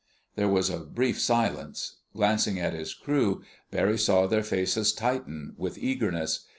There was a brief silence. Glancing at his crew, Barry saw their faces tighten with eagerness.